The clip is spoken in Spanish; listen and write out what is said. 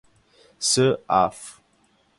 S. Afr.